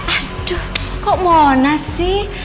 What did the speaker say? aduh kok mona sih